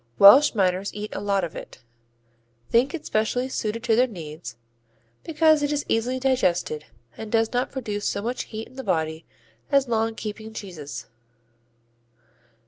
Welsh miners eat a lot of it, think it specially suited to their needs, because it is easily digested and does not produce so much heat in the body as long keeping cheeses.